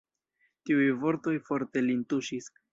Tiuj vortoj forte lin tuŝis.